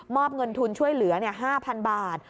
อบเงินทุนช่วยเหลือ๕๐๐๐บาท